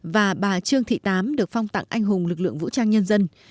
và bà trương thị tám được phong tặng anh hùng lực lượng vũ trang nhân dân